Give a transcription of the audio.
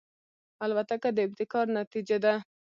الوتکه د ابتکار نتیجه ده.